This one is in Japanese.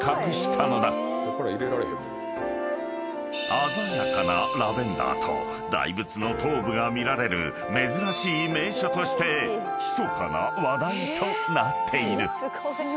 ［鮮やかなラベンダーと大仏の頭部が見られる珍しい名所としてひそかな話題となっている］